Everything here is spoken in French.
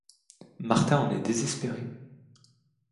Martin en est désespéré.